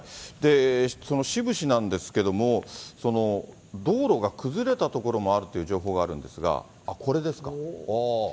その志布志なんですけれども、道路が崩れた所もあるという情報があるんですが、これですか。